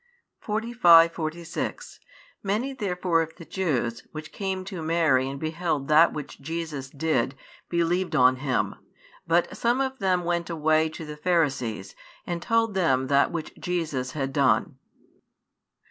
45, 46 Many therefore of the Jews, which came to Mary and beheld that which Jesus did, believed on Him. But some of them went away to the Pharisees, and told them that which Jesus had done.